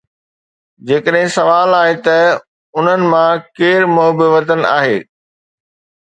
جيڪڏهن سوال آهي ته انهن مان ڪير محب وطن آهي؟